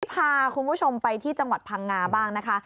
พาคุณผู้ชมไปที่จังหวัดพังงาบ้างนะคะ